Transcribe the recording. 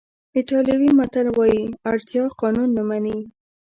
ایټالوي متل وایي اړتیا قانون نه مني.